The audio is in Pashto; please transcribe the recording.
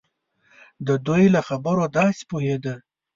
د دوی له خبرو داسې پوهېده.